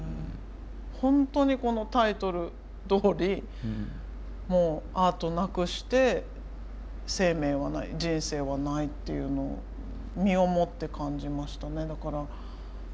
本当にこのタイトルどおりアートなくして生命はない人生はないっていうのを身をもって感じましたね。